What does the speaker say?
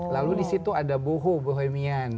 lalu disitu ada boho bohemian